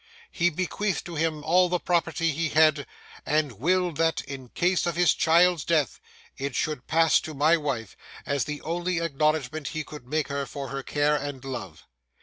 He bequeathed to him all the property he had, and willed that, in case of his child's death, it should pass to my wife, as the only acknowledgment he could make her for her care and love.